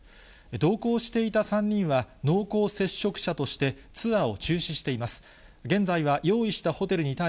同行していた３人は濃厚接触者としてツアーを中止しています。